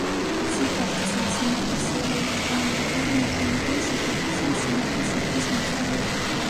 სიფართის ან სიმაღლის სერიების ჩამონათვალი ნაჩვენებია სიფართის ან სიმაღლის ზრდის მიხედვით.